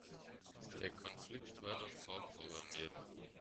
Der Konflikt war doch vorprogrammiert.